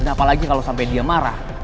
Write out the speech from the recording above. apalagi kalo sampe dia marah